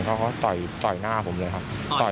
เขาก็ต่อยหน้าผมเลยครับ